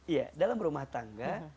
iya dalam rumah tangga